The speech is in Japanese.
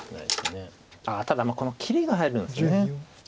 ああただ切りが入るんですよね。